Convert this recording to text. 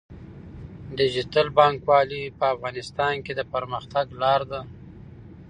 ډیجیټل بانکوالي په افغانستان کې د پرمختګ لاره ده.